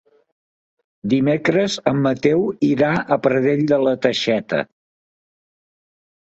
Dimecres en Mateu irà a Pradell de la Teixeta.